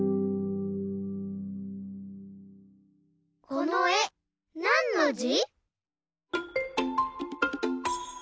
このえなんのじ？